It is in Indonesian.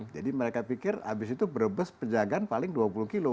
jadi mereka pikir habis itu brebes penjagaan paling dua puluh kilo